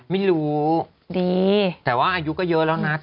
ไม่รู้ดีแต่ว่าอายุก็เยอะแล้วนะ